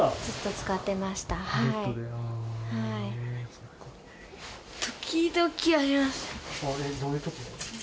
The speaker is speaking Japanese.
それどういう時？